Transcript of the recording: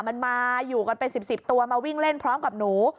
มันมาอยู่กันเป็น๑๐ตัวมาวิ่งเล่นพร้อมกับหนู